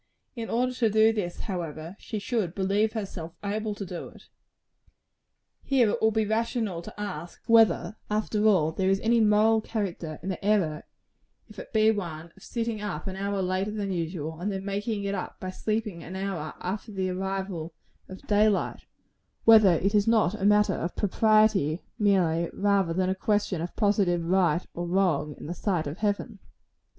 In order to do this, however, she should believe herself able to do it. Here it will be rational to ask whether, after all, there is any moral character in the error, if it be one, of sitting up an hour later than usual, and then making it up by sleeping an hour after the arrival of day light; whether it is not a matter of propriety, merely, rather than a question of positive right or wrong in the sight of Heaven.